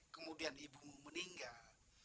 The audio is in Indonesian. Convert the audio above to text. kemudian ibumu meninggal